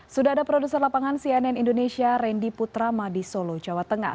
sudah ada produser lapangan cnn indonesia randy putrama di solo jawa tengah